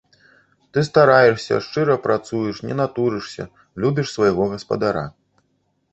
Ты стараешся, шчыра працуеш, не натурышся, любіш свайго гаспадара.